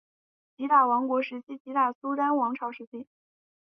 吉打王国时期吉打苏丹王朝时期